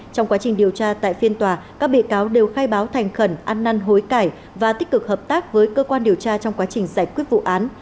trong quá trình điều tra tại phiên tòa các bị cáo đều khai báo thành khẩn ăn năn hối cải và tích cực hợp tác với cơ quan điều tra trong quá trình giải quyết vụ án